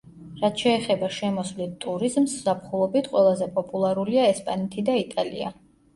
რაც შეეხება შემოსვლით ტურიზმს, ზაფხულობით ყველაზე პოპულარულია ესპანეთი და იტალია.